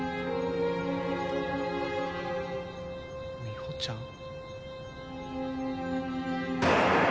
みほちゃん？